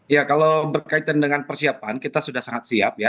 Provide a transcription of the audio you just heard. ya kalau berkaitan dengan persiapan kita sudah sangat siap ya